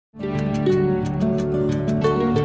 cảm ơn các bạn đã theo dõi và hẹn gặp lại